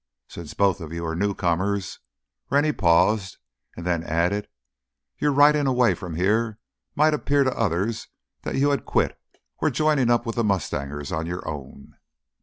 Since both of you are newcomers—" Rennie paused and then added: "Your riding away from here might appear to others that you had quit, were joining up with the mustangers on your own."